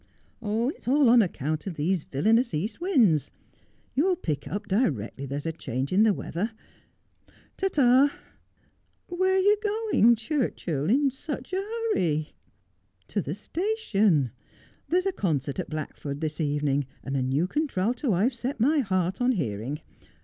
' It's all on account of these villainous east winds. You'll pick up directly there's a change in the weather. Ta ta.' ' Where are you going, Churchill, in such a hurry 1' ' To the station. There's a concert at Blackford this evening, and a new contralto I've set my heart on hearing.